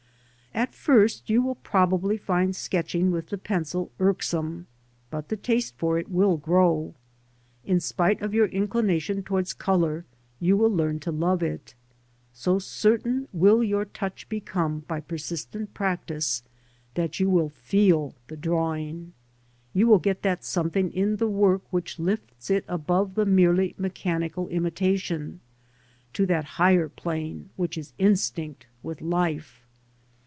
At first you will probably find sketching with the pencil irksome, but the taste for it will grow. In spite of your inclination towards colour, you will learn to love it. So certain will your touch become by persistent practice, that you will /eel the drawing. You will get that something in the work which lifts it above the merely mechanical imitation, to that higher plane which is instinct with life.